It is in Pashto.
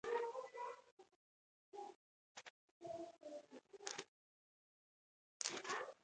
مایانو یو لیکنی سیستم جوړ کړ